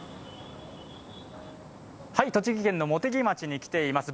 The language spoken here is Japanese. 栃木県の茂木町に来ています。